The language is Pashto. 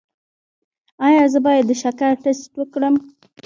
ایا زه باید د شکر ټسټ وکړم؟